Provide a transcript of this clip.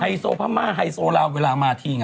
ไฮโซภามาไฮโซราวเวลามาที